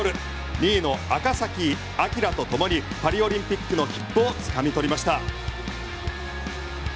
２位の赤崎暁とともにパリオリンピックの切符をつかみ取りました。